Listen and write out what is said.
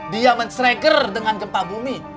dia menstregger dengan gempa bumi